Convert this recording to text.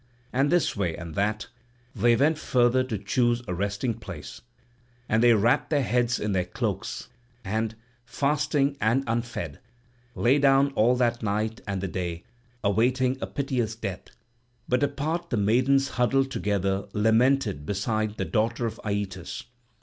And this way and that they went further to choose a resting place; and they wrapped their heads in their cloaks and, fasting and unfed, lay down all that night and the day, awaiting a piteous death. But apart the maidens huddled together lamented beside the daughter of Aeetes.